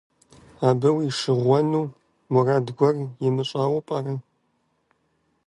Абы ущигъэуэну мурад гуэр имыщӀауэ пӀэрэ?